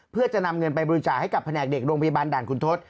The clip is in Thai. เพื่อจะนำเงินไปบริจาคให้กับแผนกเด็กโรงพยาบาลด่านคุณทศ